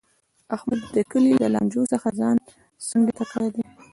احمد د کلي له لانجو څخه ځان څنډې ته کړی دی.